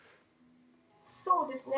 そうですね。